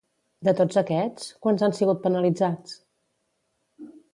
De tots aquests, quants han sigut penalitzats?